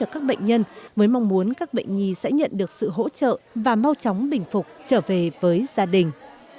các bệnh nhân mới mong muốn các bệnh nhi sẽ nhận được sự hỗ trợ và mau chóng bình phục trở về với gia đình